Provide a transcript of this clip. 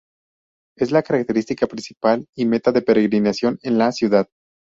Es la característica principal y meta de peregrinación en la ciudad.